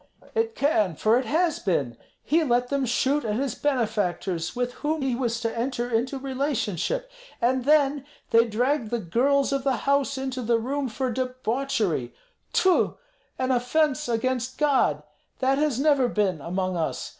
"It can, for it has been. He let them shoot at his benefactors, with whom he was to enter into relationship; and then they dragged the girls of the house into the room for debauchery. Tfu! an offence against God! That has never been among us!